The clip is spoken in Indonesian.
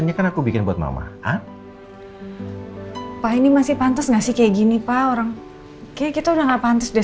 nyekan aku bikin buat mama pak ini masih pantas ngasih kayak gini pak orang kita udah ngapain deh